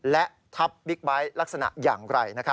และทับบิ๊กไบท์ลักษณะอย่างไร